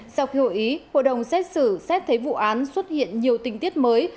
sau khi hội ý hội đồng xét xử xét thấy vụ án xuất hiện nhiều tình tiết mới